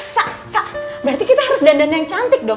sa sa berarti kita harus dana yang cantik